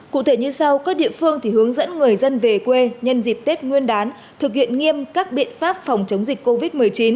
cụ thể như sau các địa phương thì hướng dẫn người dân về quê nhân dịp tết nguyên đán thực hiện nghiêm các biện pháp phòng chống dịch covid một mươi chín